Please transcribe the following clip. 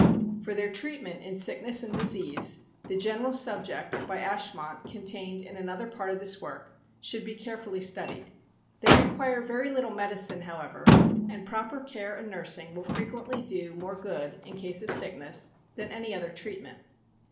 For their treatment in sick ness and disease, the general subject, by " Ashmont," con tained in another part of this work, should be carefully studied. They require very little medicine, however, and proper care and nursing will frequently do more good in case of sickness than any other treatment.